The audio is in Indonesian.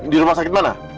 di rumah sakit mana